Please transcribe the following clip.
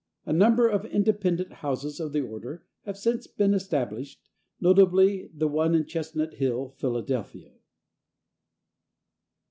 A number of independent houses of the order have since been established, notably the one at Chestnut Hill, Philadelphia.